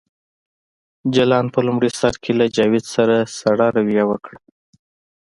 جلان په لومړي سر کې له جاوید سره سړه رویه وکړه